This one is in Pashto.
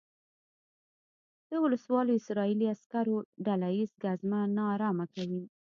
د وسلوالو اسرائیلي عسکرو ډله ییزه ګزمه نا ارامه کوي.